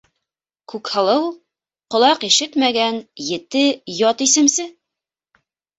Күкһылыу... ҡолаҡ ишетмәгән, ете ят исемсе...